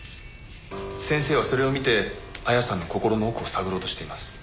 先生はそれを見て亜矢さんの心の奥を探ろうとしています。